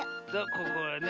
ここをね